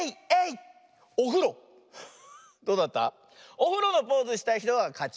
おふろのポーズしたひとがかち。